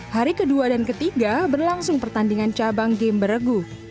hari kedua dan ketiga berlangsung pertandingan cabang game beregu